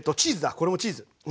これもチーズね。